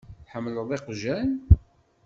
Tḥemmleḍ iqjan?